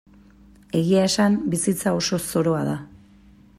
Egia esan, bizitza oso zoroa da.